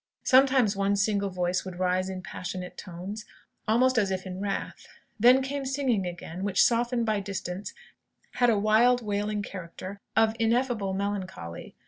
Sometimes one single voice would rise in passionate tones, almost as if in wrath. Then came singing again, which, softened by distance, had a wild, wailing character of ineffable melancholy.